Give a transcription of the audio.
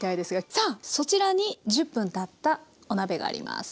さあそちらに１０分たったお鍋があります。